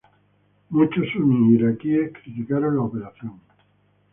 Muchos suníes iraquíes criticaron la operación.